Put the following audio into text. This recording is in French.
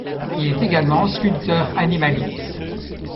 Il est également sculpteur animalier.